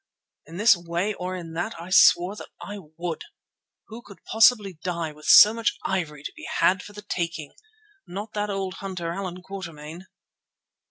In this way or in that I swore that I would! Who could possibly die with so much ivory to be had for the taking? Not that old hunter, Allan Quatermain.